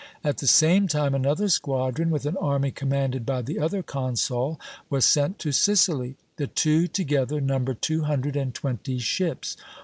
At the same time another squadron, with an army commanded by the other consul, was sent to Sicily. The two together numbered two hundred and twenty ships.